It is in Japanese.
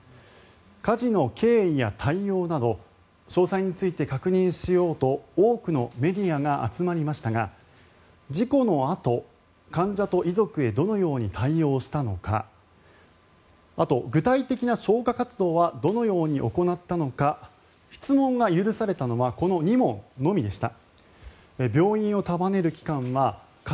火事の経緯や対応など詳細について確認しようと多くのメディアが集まりましたが事故のあと、患者と遺族へどのように対応したのかあと、具体的な消火活動はどのように行ったのか質問が許されたのはこの２問のみでした。